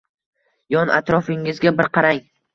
Yon atrofingizga bir qarang.